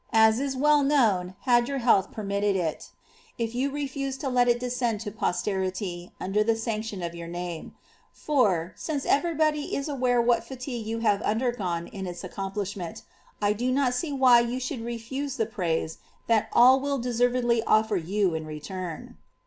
a? is weii known, had Vuiir hcalih perniitted it), if you refuse to let it de<«^end to jHwieri? under the sancii«'ii «.f vour name. For, ^ince evcrv IkmIv is aware \vl.n\ I'aninK you have und«Ti:<ine in its accornpli«hinent. I do m»t see why you should refoae the praise that all will deservedly offer you in return.'"